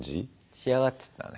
仕上がってったね。